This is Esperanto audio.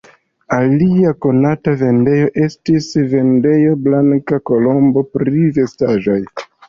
Alia konata vendejo estis vendejo Blanka Kolombo pri vestaĵoj.